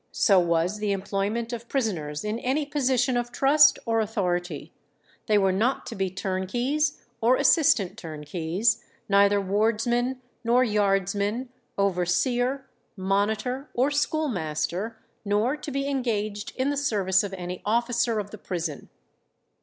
So was the employment of prisoners in any position of trust or authority; they were not to be turnkeys or assistant turnkeys, neither wardsman nor yardsman, overseer, monitor, or schoolmaster, nor to be engaged in the service of any officer of the prison.